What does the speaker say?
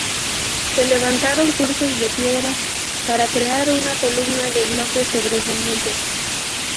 Se levantaron cursos de piedra para crear una columna de bloques sobresalientes.